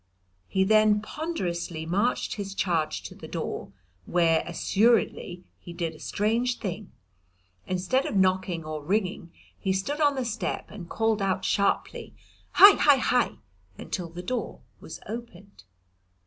He then ponderously marched his charge to the door, where, assuredly, he did a strange thing. Instead of knocking or ringing, he stood on the step and called out sharply, "Hie, hie, hie!" until the door was opened.